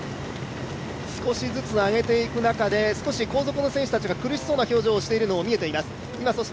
少しずつ上げていく中で、後続の選手たちが苦しそうな表情をしているのも見えています。